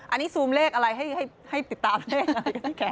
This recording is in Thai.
อันนี้ซูมเลขอะไรให้ติดตามเลขอะไร